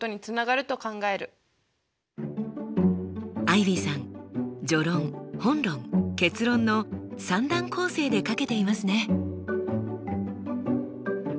アイビーさん序論本論結論の３段構成で書けていますね。